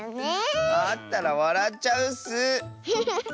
あったらわらっちゃうッス。